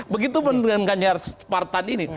begitu pun dengan ganjar spartan ini